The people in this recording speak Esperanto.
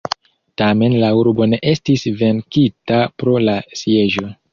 Tamen la urbo ne estis venkita pro la sieĝo.